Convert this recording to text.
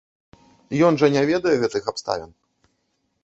Ён жа не ведае гэтых абставін.